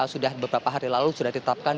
sudah beberapa hari lalu sudah ditetapkan